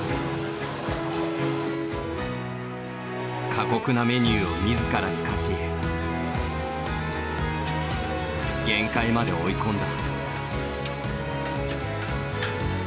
過酷なメニューを自らに課し限界まで追い込んだ。